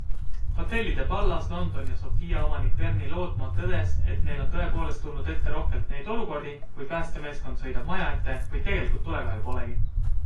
Hotellide Pallas, London ja Sophia omanik Verni Loodmaa tõdes, et neil on tõepoolest tulnud ette rohkelt neid olukordi, kui päästemeeskond sõidab maja ette, kuid tegelikult tulekahju polegi.